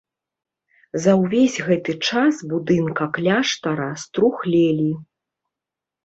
За ўвесь гэты час будынка кляштара струхлелі.